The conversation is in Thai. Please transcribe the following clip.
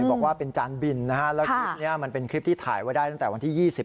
บอกว่าเป็นจานบินนะฮะแล้วคลิปนี้มันเป็นคลิปที่ถ่ายไว้ได้ตั้งแต่วันที่๒๐